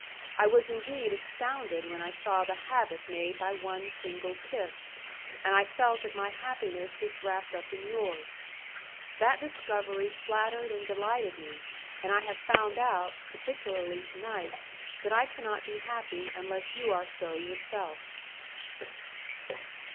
I was indeed astounded when I saw the havoc made by one single kiss, and I felt that my happiness was wrapped up in yours. That discovery flattered and delighted me, and I have found out, particularly to night, that I cannot be happy unless you are so yourself."